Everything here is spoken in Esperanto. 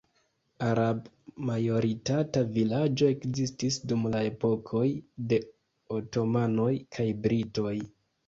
Arab-majoritata vilaĝo ekzistis dum la epokoj de Otomanoj kaj Britoj.